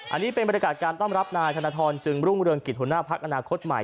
อันนี้เป็นบรรยากาศการต้อนรับนายธนทรจึงรุ่งเรืองกิจหัวหน้าพักอนาคตใหม่